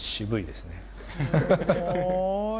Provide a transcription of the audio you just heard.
すごい。